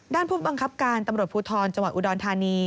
ผู้บังคับการตำรวจภูทรจังหวัดอุดรธานี